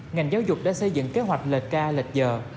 ngành giáo dục đã xây dựng kế hoạch lời ca lệch giờ